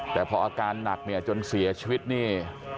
แต่พออาการหนักเนี่ยจนเสียชีวิตนี่